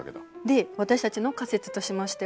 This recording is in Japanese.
で私たちの仮説としましては